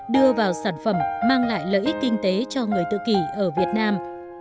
đưa vào sản phẩm mang lại lợi ích kinh tế cho người tự kỷ ở việt nam